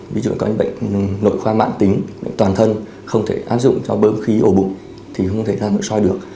ví dụ như là có những bệnh nội khoa mạng tính bệnh toàn thân không thể áp dụng cho bơm khí ổ bụng thì không thể ra nội soi được